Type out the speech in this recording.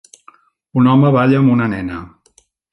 Un home balla amb una nena.